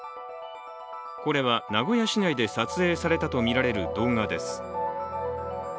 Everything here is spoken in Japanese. これは名古屋市内で撮影されたとみられる動画です。